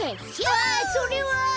ああそれは。